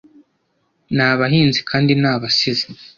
ni abahinzi kandi ni abasizi